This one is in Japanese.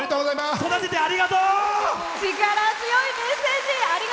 育ててくれてありがとう！